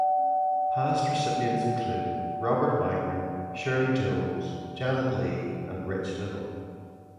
Past recipients include Robert Wagner, Shirley Jones, Janet Leigh, and Rich Little.